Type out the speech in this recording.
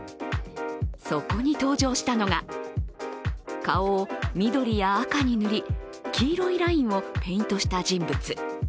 そこに登場したのが顔を緑や赤に塗り黄色いラインをペイントした人物。